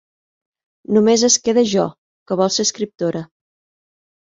Només es queda Jo, que vol ser escriptora.